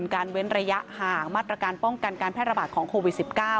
เว้นระยะห่างมาตรการป้องกันการแพร่ระบาดของโควิด๑๙